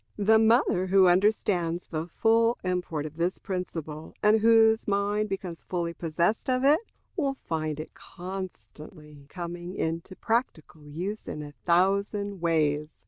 The mother who understands the full import of this principle, and whose mind becomes fully possessed of it, will find it constantly coming into practical use in a thousand ways.